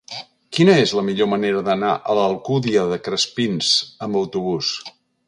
Quina és la millor manera d'anar a l'Alcúdia de Crespins amb autobús?